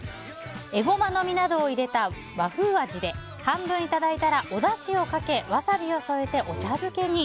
エゴマの実などを入れた和風味で半分いただいたらおだしをかけ、ワサビを添えてお茶漬けに。